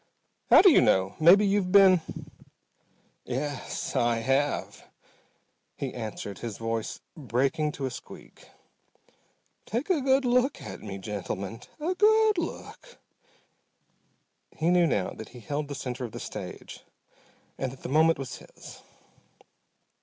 "How do you know? Maybe you've been ?" "Yes, I have!" he answered, his voice breaking to a squeak. "Take a good look at me, gentlemen. A good look." He knew now that he held the center of the stage, that the moment was his.